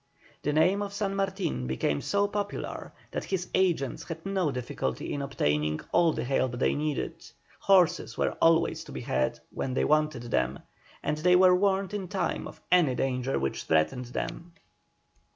The name of San Martin became so popular, that his agents had no difficulty in obtaining all the help they needed; horses were always to be had when they wanted them, and they were warned in time of any danger which threatened them.